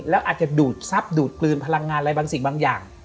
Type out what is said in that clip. แล้วอาจจะดูดทรัพย์ดูดกลืนพลังงานอะไรบางสิ่งบางอย่าง